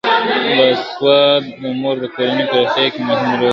باسواده مور د کورنۍ په روغتیا کي مهم رول لوبوي.